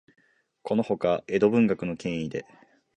このほか、江戸文学の権威で、